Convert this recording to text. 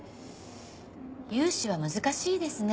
融資は難しいですね。